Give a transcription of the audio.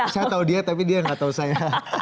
saya tahu dia tapi dia nggak tahu saya